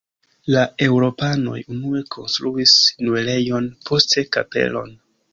La eŭropanoj unue konstruis muelejon, poste kapelon.